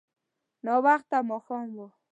ناوخته ماښام و.